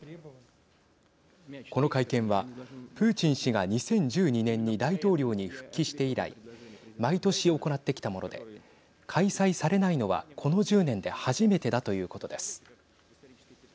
この会見はプーチン氏が２０１２年に大統領に復帰して以来毎年行ってきたもので開催されないのはこの１０年で初めてだということです。